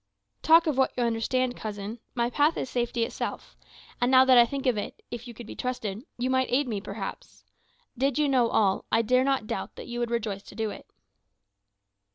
"Talk of what you understand, cousin. My path is safety itself. And now that I think of it (if you could be trusted), you might aid me perhaps. Did you know all, I dare not doubt that you would rejoice to do it."